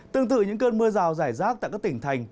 tương tự những cơn mưa rào rải rác tại các tỉnh thành